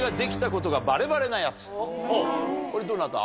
これどなた？